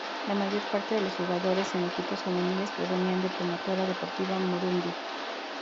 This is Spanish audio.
La mayor parte de los jugadores en equipos juveniles provenían de Promotora Deportiva Morumbi.